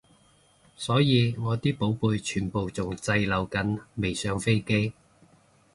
所以我啲寶貝全部仲滯留緊未上飛機